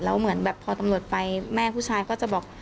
แล้วเหมือนแบบพอตำรวจไปแม่ผู้ชายก็จะบอก